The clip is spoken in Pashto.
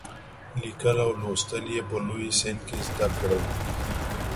لیکل او لوستل یې په لوی سن کې زده کړل.